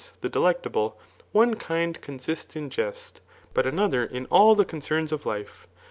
the delectable) one kind "consists in jest ; but another, in all the Concerns of life.